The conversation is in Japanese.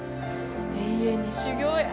永遠に修業や。